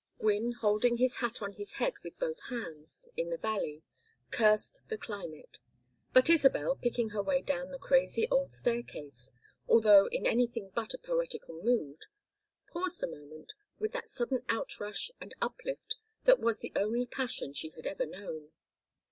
Gwynne holding his hat on his head with both hands, in the valley, cursed the climate, but Isabel picking her way down the crazy old staircase, although in anything but a poetical mood, paused a moment with that sudden outrush and uplift that was the only passion she had ever known.